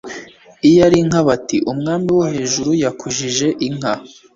Iyo ari inka bati Umwami wo hejuru yakujije inka